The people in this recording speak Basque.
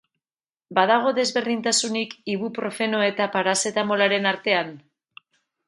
Badago desberdintasunik, ibuprofeno eta parazetamolaren artean?